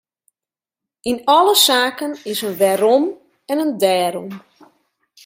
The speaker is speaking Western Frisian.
Yn alle saken is in wêrom en in dêrom.